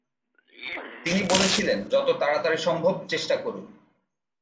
তিনি বলেছিলেন, 'যত তাড়াতাড়ি সম্ভব চেষ্টা করুন।'